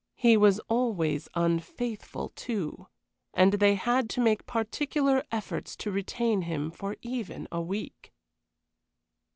He was always unfaithful, too, and they had to make particular efforts to retain him for even a week.